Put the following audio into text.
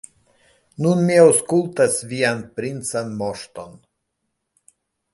Nun mi aŭskultas vian princan moŝton.